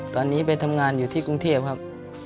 ตอนนี้ไปทำงานอยู่ที่กรุงเทพครับ